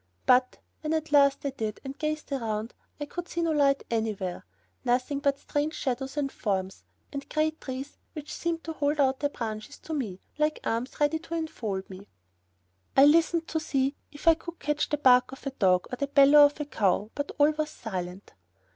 But, when at last I did, and gazed around, I could see no light anywhere; nothing but strange shadows and forms, and great trees which seemed to hold out their branches to me, like arms ready to enfold me. I listened to see if I could catch the bark of a dog, or the bellow of a cow, but all was silent.